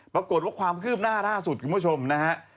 ปรากฏว่าความขึ้นหน้าร่าสุดคุณผู้ชมนะครับ